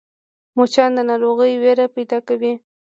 مچان د ناروغۍ وېره پیدا کوي